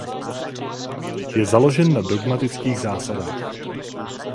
Je založen na dogmatických zásadách.